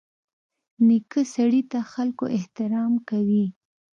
نیکه سړي ته خلکو احترام کوي.